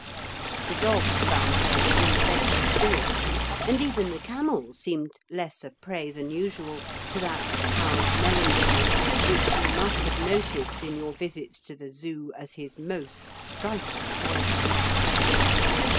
The dogs bounded along in the best of spirits, and even the camel seemed less a prey than usual to that proud melancholy which you must have noticed in your visits to the Zoo as his most striking quality.